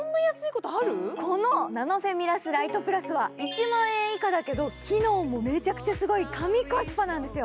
このナノフェミラス・ライトプラスは１万円以下だけど機能もめちゃくちゃすご、神コスパなんですよ。